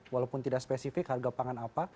walaupun tidak spesifik harga pangan apa